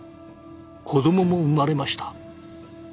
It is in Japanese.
子どもも生まれました。